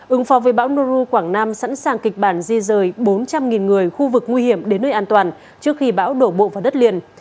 ứng phó với bão nu quảng nam sẵn sàng kịch bản di rời bốn trăm linh người khu vực nguy hiểm đến nơi an toàn trước khi bão đổ bộ vào đất liền